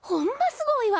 すごいわ！